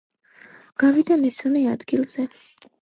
გავიდა მესამე ადგილზე.